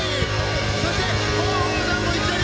そして豊豊さんも一緒に！